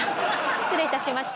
失礼いたしました。